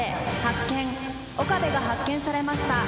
岡部が発見されました。